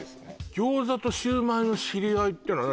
餃子とシュウマイの知り合いってのは何？